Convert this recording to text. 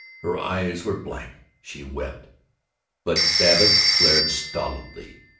Her eyes were blank. She wept. But Babbitt glared stolidly.